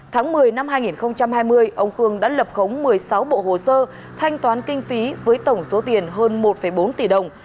tháng một mươi năm hai nghìn hai mươi ông khương đã lập khống một mươi sáu bộ hồ sơ thanh toán kinh phí với tổng số tiền hơn một bốn tỷ đồng